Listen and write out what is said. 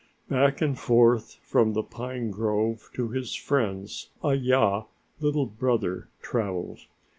Back and forth from the pine grove to his friends Hai ya, Little Brother, traveled.